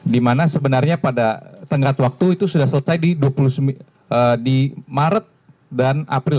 di mana sebenarnya pada tengkat waktu itu sudah selesai di maret dan april